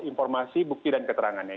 informasi bukti dan keterangannya